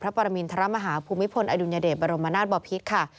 พระปรมินทรมาฮาภูมิพลอดุญเดตบรมนาศบอภิษฐ์